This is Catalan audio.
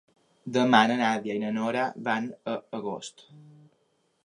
Demà na Nàdia i na Nora van a Agost.